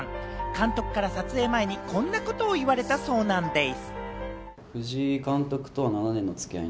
監督から撮影前にこんなことを言われたそうなんでぃす。